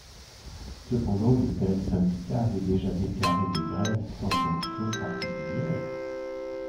Cependant de tels syndicats avaient déjà déclaré des grèves sans sanction particulière.